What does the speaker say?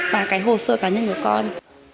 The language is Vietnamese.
và cái hồ sơ cá nhân của con